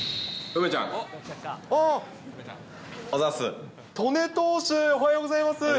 戸根投手、おはようございます。